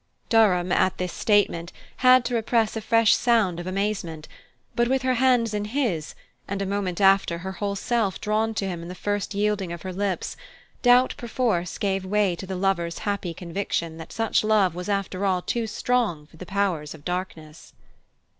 Durham, at this statement, had to repress a fresh sound of amazement; but with her hands in his, and, a moment after, her whole self drawn to him in the first yielding of her lips, doubt perforce gave way to the lover's happy conviction that such love was after all too strong for the powers of darkness.